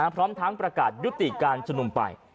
พร้อมทั้งประกาศยุติการชุมนุมไป